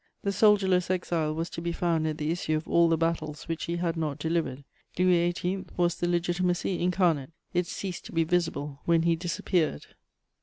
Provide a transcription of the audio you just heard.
The soldier less exile was to be found at the issue of all the battles which he had not delivered. Louis XVIII. was the Legitimacy incarnate; it ceased to be visible when he disappeared.